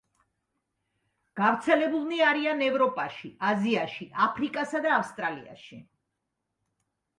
გავრცელებულნი არიან ევროპაში, აზიაში, აფრიკასა და ავსტრალიაში.